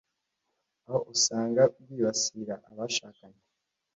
aho usanga bwibasira abashakanye